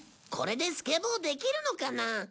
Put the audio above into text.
これでスケボーできるのかな？